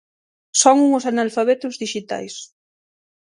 Son uns analfabetos dixitais.